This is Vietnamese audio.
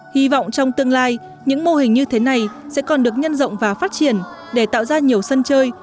hy vọng trong tương lai những mô hình như thế này sẽ còn được nhân rộng và phát triển để tạo ra nhiều sân chơi